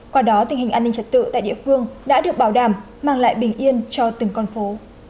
qua đó tình hình an ninh trật tự tại địa phương đã được bảo đảm mang lại bình yên cho từng con phố